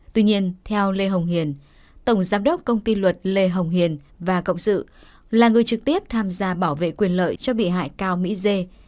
tuy nhiên theo lê hồng hiền tổng giám đốc công ty luật lê hồng hiền và cộng sự là người trực tiếp tham gia bảo vệ quyền lợi cho bị hại cao mỹ dê